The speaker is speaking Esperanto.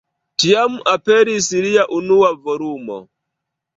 Tiam aperis lia unua volumo.